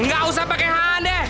nggak usah pakai handeh